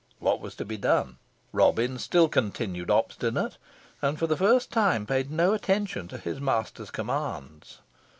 What was to be done? Robin still continued obstinate, and for the first time paid no attention to his master's commands.